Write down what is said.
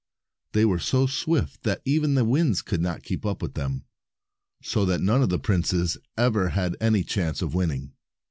They were so swift that even the winds could not keep up with them, so that none of the princes ever had any chance of winning.